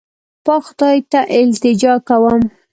پاک خدای ته التجا کوم.